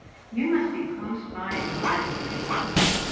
You must be close by in the garden at your work.